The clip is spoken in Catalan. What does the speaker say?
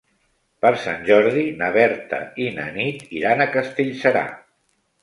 Per Sant Jordi na Berta i na Nit iran a Castellserà.